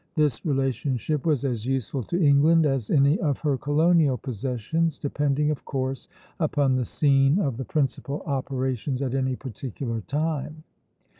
This relationship was as useful to England as any of her colonial possessions, depending of course upon the scene of the principal operations at any particular time.